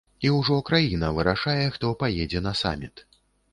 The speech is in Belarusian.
І ўжо краіна вырашае, хто паедзе на саміт.